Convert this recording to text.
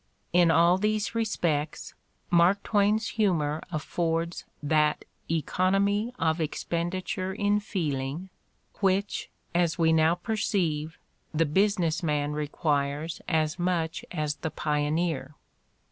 In all these respects, Mark Twain's humor affords that "economy of expenditure in feel ing" which, as we now perceive, the business man re quires as much as the pioneer.